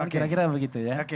kira kira begitu ya